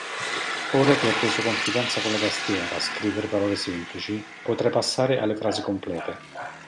Ora che hai preso confidenza con la tastiera scrivere parole semplici, potrai passare alle frasi complete.